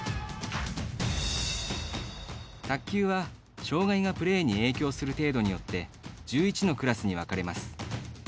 卓球は、障がいがプレーに影響する程度によって１１のクラスに分かれます。